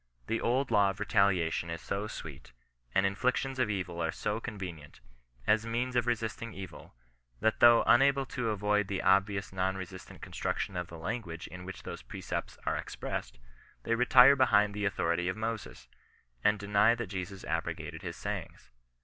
The old law of retaliation is so sweet, and inflictions of evil are so convenient, as means of resisting evil, that though unable to avoid the obvious non resistant construction of the language in which those precepts ate expressed, they retire behind the authority of Moaes, and deny that Jesus abrogated his sayings.